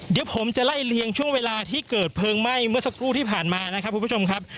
เดี๋ยวผมจะไล่เลียงช่วงเวลาที่เกิดเพลิงไหม้เมื่อสักครู่ที่ผ่านมานะครับคุณผู้ชมครับ